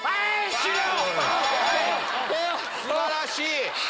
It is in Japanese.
素晴らしい！